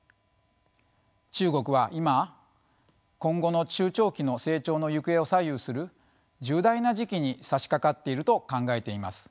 中国は今今後の中長期の成長の行方を左右する重大な時期にさしかかっていると考えています。